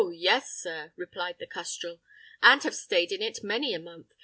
yes, sir," replied the custrel, "and have staid in it many a month.